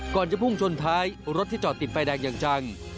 จะพุ่งชนท้ายรถที่จอดติดไฟแดงอย่างจัง